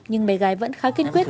nhưng mẹ gái vẫn khá kiên quyết